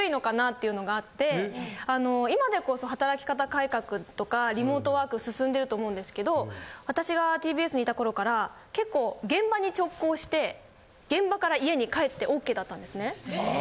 っていうのがあって今でこそ働き方改革とかリモートワーク進んでると思うんですけど私がＴＢＳにいたころから結構現場に直行して現場から家に帰ってＯＫだったんですね。